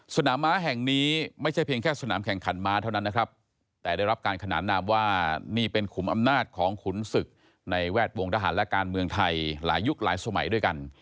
สนามม้าแห่งนี้ไม่ใช่เพียงแค่สนามแข่งขันม้าเท่านั้นนะครับแต่ได้รับการขนานนามว่านี่เป็นขุมอำนาจของขุนศึกในแวดวงทหารและการเมืองไทยหลายยุคหลายสมัยด้วยกัน